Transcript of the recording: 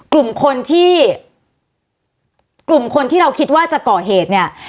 กลุ่มคนที่กลุ่มคนที่เราคิดว่าจะก่อเหตุเนี่ย